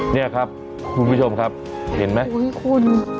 นี่ครับคุณผู้ชมครับเห็นไหมคุณ